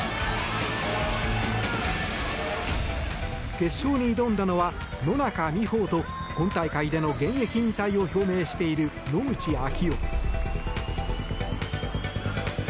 決勝に挑んだのは野中生萌と今大会での現役引退を表明している野口啓代。